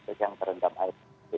jadi itu yang terendam air